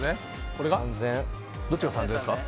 これが？どっちが３０００円ですか？